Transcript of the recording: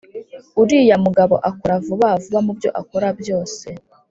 Uriya mugabo akora vuba vuba mubyo akora byose